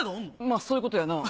そういうことやな。